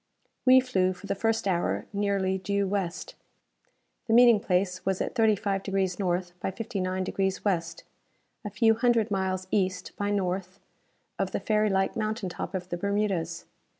We flew, for the first hour, nearly due west. The meeting place was at 35 deg. N. by 59 deg. W., a few hundred miles east by north of the fairy like mountaintop of the Bermudas.